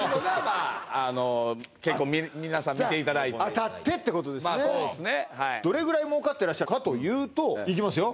あの結構皆さん見ていただいてじゃあ当たってってことですねまあそうですねはいどれぐらい儲かってらっしゃるかというといきますよ